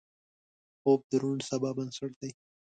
خوب د روڼ سبا بنسټ دی